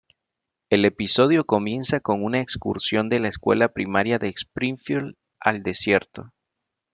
El episodio comienza con una excursión de la Escuela Primaria de Springfield al desierto.